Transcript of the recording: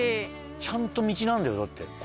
ちゃんと道なんだよだってこれ。